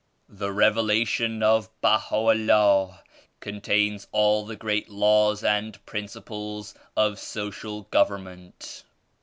"The Revelation of Baha'u'llah contains all the great laws and principles of social gov ernment.